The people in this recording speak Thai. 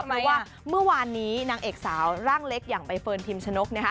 เพราะว่าเมื่อวานนี้นางเอกสาวร่างเล็กอย่างใบเฟิร์นพิมชนกนะคะ